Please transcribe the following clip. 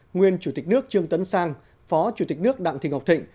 nguyên chủ tịch nước trương tấn sang phó chủ tịch nước đặng thị ngọc thịnh